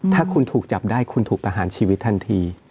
ถ้าคุณถูกจับได้คุณถูกประหารชีวิตทันที